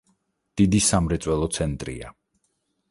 დიდი სამრეწველო ცენტრია.